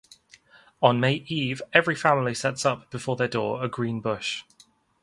On May-eve, every family sets up before their door a green bush.